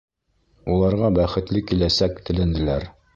Уларға бәхетле киләсәк теләнеләр.